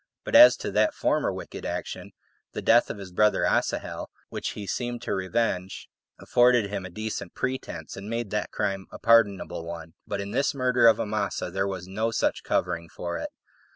But as to that former wicked action, the death of his brother Asahel, which he seemed to revenge, afforded him a decent pretense, and made that crime a pardonable one; but in this murder of Amasa there was no such covering for it.